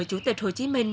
chủ tịch hồ chí minh